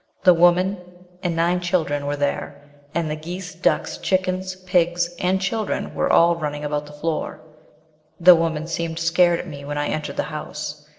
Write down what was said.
The woman and nine children were there, and the geese, ducks, chickens, pigs, and children were all running about the floor. The woman seemed scared at me when I entered the house.